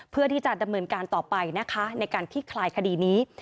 เพื่อที่จะดำเนินการต่อไปนะคะในการที่คลายคดีนี้